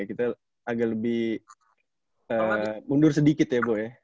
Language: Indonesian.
kita agak lebih mundur sedikit ya bu ya